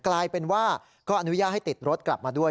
กลายเป็นว่าก็อนุญาตให้ติดรถกลับมาด้วย